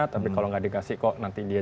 tapi kalau nggak dikasih kok nanti dia